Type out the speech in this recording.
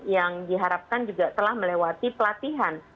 yang diharapkan juga telah melewati pelatihan